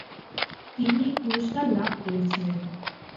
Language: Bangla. তিনি এই পুরস্কার লাভ করেছিলেন।